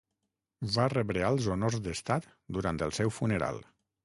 Va rebre alts honors d'estat durant el seu funeral.